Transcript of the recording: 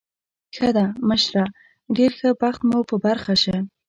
ښه ده، مشره، ډېر ښه بخت مو په برخه شه.